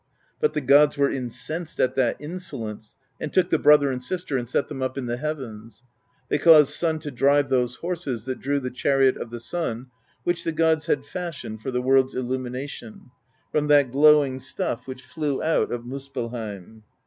But the gods were incensed at that insolence, and took the brother and sister, and set them up in the heavens; they caused Sun to drive those horses that drew the chariot of the sun, which the gods had fashioned, for the world's illu mination, from that glowing stuff which flew out of Miis pellheim.